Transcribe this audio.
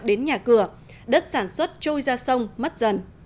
đến nhà cửa đất sản xuất trôi ra sông mất dần